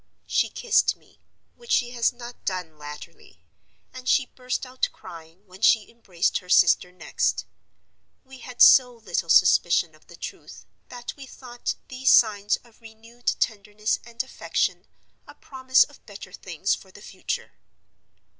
She kissed me, which she has not done latterly; and she burst out crying when she embraced her sister next. We had so little suspicion of the truth that we thought these signs of renewed tenderness and affection a promise of better things for the future.